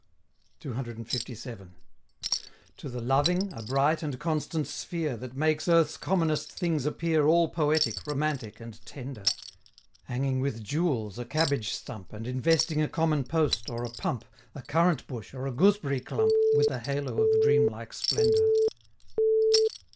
CCLVII. To the loving, a bright and constant sphere, That makes earth's commonest things appear All poetic, romantic, and tender: Hanging with jewels a cabbage stump, And investing a common post, or a pump, A currant bush, or a gooseberry clump, With a halo of dreamlike splendor.